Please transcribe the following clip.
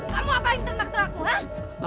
kamu apa yang ternak teraku ha